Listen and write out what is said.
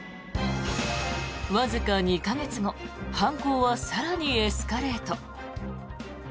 わずか２か月後犯行は更にエスカレート。